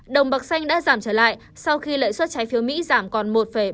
đồng bạc xanh đã giảm trở lại sau khi lợi suất trái phiếu mỹ giảm còn một bốn trăm sáu mươi bảy